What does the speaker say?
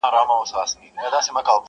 چي د سینې پر باغ دي راسي سېلاوونه!!